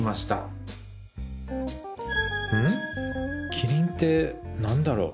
「キリン」って何だろう？